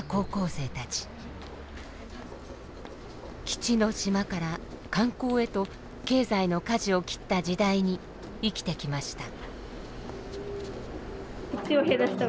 基地の島から観光へと経済のかじを切った時代に生きてきました。